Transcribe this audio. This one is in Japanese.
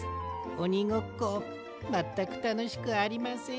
おにごっこまったくたのしくありません。